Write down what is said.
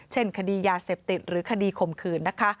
เช่นคดียาเสพติดหรือคดีข่มขืนนะคะ